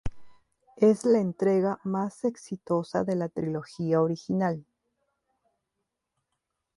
Es la entrega más exitosa de la trilogía original.